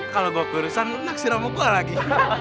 kalau gue kurusan naksir sama gue lagi